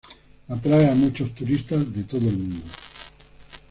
Atrae a muchos turistas de todo el mundo.